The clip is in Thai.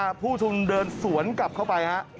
เดินออกมาผู้ชุมลุงเดินสวนกลับเข้าไป